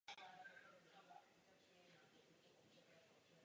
Mladší potomci francouzské královské rodiny dostávali titul vévodů z Berry.